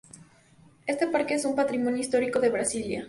Ese parque es un patrimonio histórico de Brasilia.